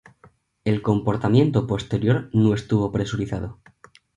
El compartimiento posterior no está presurizado.